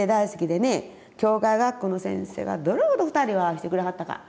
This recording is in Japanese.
教会学校の先生がどれほど２人を愛してくれはったか。